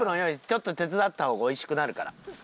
ちょっと手伝った方が美味しくなるから。